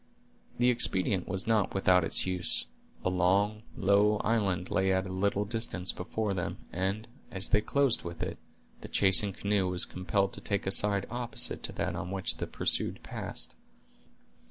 The expedient was not without its use. A long, low island lay at a little distance before them, and, as they closed with it, the chasing canoe was compelled to take a side opposite to that on which the pursued passed.